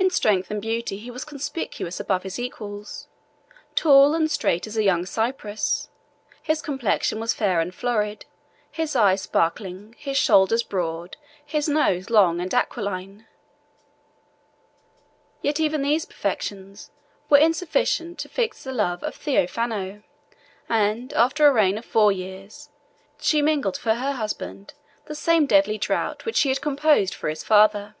In strength and beauty he was conspicuous above his equals: tall and straight as a young cypress, his complexion was fair and florid, his eyes sparkling, his shoulders broad, his nose long and aquiline. Yet even these perfections were insufficient to fix the love of Theophano; and, after a reign of four 1013 years, she mingled for her husband the same deadly draught which she had composed for his father. 1013 (return) [ Three years and five months. Leo Diaconus in Niebuhr.